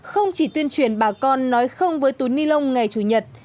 không chỉ tuyên truyền bà con nói không với túi ni lông ngày chủ nhật